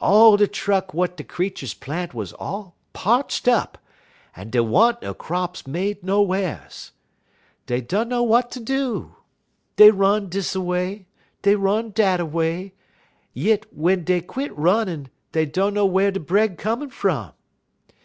All de truck w'at de creeturs plant wuz all parched up, un dey wa'n't no crops made nowhars. Dey dunner w'at ter do. Dey run dis a way, dey run dat a way; yit w'en dey quit runnin' dey dunner whar dey bread comin' frun.